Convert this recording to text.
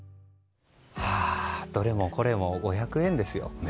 どれもこれも５００円ですよ。